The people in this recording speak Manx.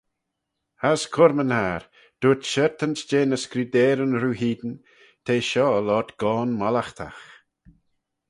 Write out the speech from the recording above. As cur-my-ner, dooyrt shiartanse jeh ny scrudeyryn roo hene, t'eh shoh loayrt goan mollaghtagh.